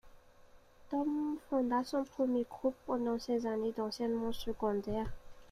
Tom fonda son premier groupe pendant ses années d'enseignement secondaire.